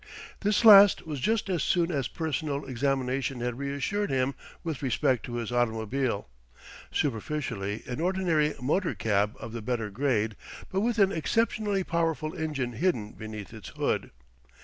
This last was just as soon as personal examination had reassured him with respect to his automobile superficially an ordinary motor cab of the better grade, but with an exceptionally powerful engine hidden beneath its hood.